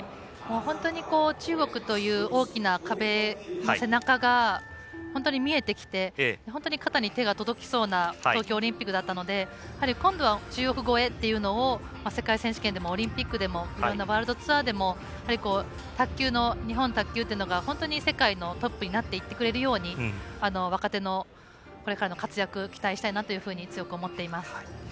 本当に中国という大きな壁の背中が本当に見えてきて本当に肩に手が届きそうな東京オリンピックだったので今度は、中国越えというのを世界選手権でもオリンピックでもワールドツアーでも日本の卓球というのが本当に世界のトップになっていってくれるように若手の活躍を期待したいなというふうに強く思っています。